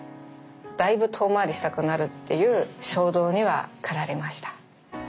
だいぶ遠回りしたくなるっていう衝動には駆られました。